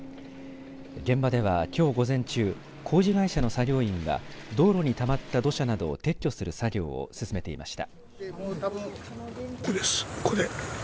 現場では、きょう午前中工事会社の作業員が道路にたまった土砂などを撤去する作業を進めていました。